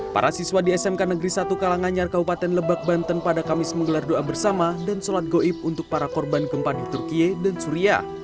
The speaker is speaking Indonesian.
para siswa di smk negeri satu kalangannyar kabupaten lebak banten pada kamis menggelar doa bersama dan sholat goib untuk para korban gempa di turkiye dan suria